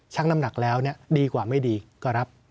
น้ำหนักแล้วดีกว่าไม่ดีก็รับ